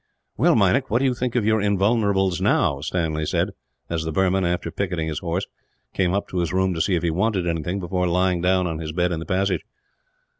"Well, Meinik, what do you think of your Invulnerables, now?" Stanley said, as the Burman, after picketing his horse, came up to his room to see if he wanted anything, before lying down on his bed in the passage.